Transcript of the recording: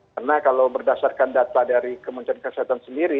karena kalau berdasarkan data dari kementerian kesehatan sendiri